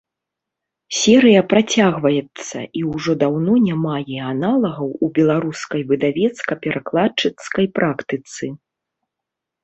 Серыя працягваецца і ўжо даўно не мае аналагаў у беларускай выдавецка-перакладчыцкай практыцы.